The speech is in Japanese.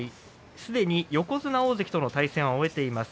すでに横綱大関との対戦を終えています。